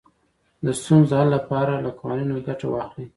د ستونزو حل لپاره له قوانینو ګټه واخلئ.